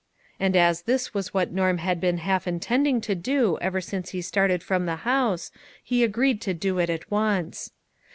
And as this was what Norm had been half intending to do ever since he started from the house, he agreed to do it at once.